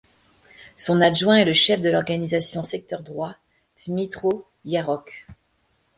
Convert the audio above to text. Son adjoint est le chef de l'organisation Secteur droit, Dmytro Iaroch.